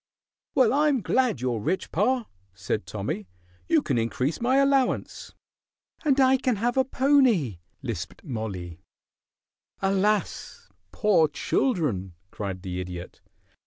"Well, I am glad you're rich, pa," said Tommy; "you can increase my allowance." "And I can have a pony," lisped Mollie. "Alas! Poor children!" cried the Idiot.